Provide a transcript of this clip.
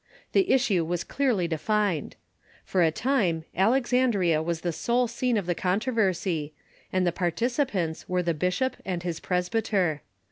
The issue was clearly defined. For a time Alexandria was the sole scene of the controversy, and the par ticipants were the bishop and his presbyter.